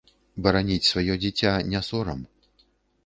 Бараніць сваё дзіця не сорам.